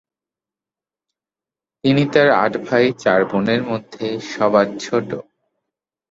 তিনি তাঁর আট ভাই চার বোনের মধ্যে সবার ছোট।